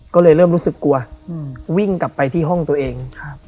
ก็เลยเริ่มรู้สึกกลัวอืมวิ่งกลับไปที่ห้องตัวเองครับ